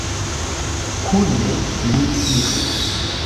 Kune ni iru!